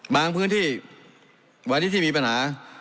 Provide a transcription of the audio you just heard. พื้นที่วันนี้ที่มีปัญหา